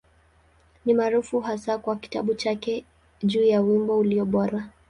Ni maarufu hasa kwa kitabu chake juu ya Wimbo Ulio Bora.